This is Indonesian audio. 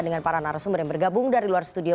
dengan para narasumber yang bergabung dari luar studio